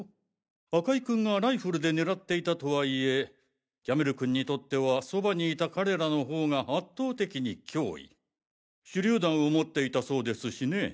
赤井君がライフルで狙っていたとはいえキャメル君にとってはそばにいた彼らの方が圧倒的に脅威手榴弾を持っていたそうですしね。